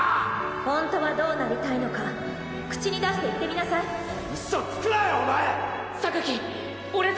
本当はどうなりたいのか口に出して言嘘つくなよお前！